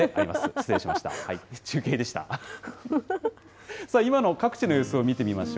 失礼しました。